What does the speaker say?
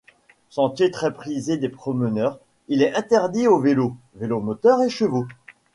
Sentier très prisé des promeneurs, il est interdit aux vélos, vélomoteurs et chevaux.